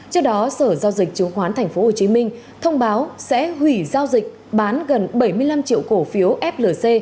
trước đó sở giao dịch chứng khoán tp hcm thông báo sẽ hủy giao dịch bán gần bảy mươi năm triệu cổ phiếu flc